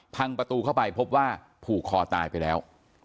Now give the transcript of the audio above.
พังประตูเข้าไปพบว่าผูกคอตายไปแล้ว